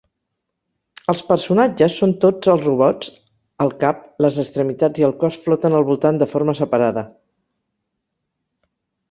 Els personatges són tots els robots el cap, les extremitats i el cos floten al voltant de forma separada.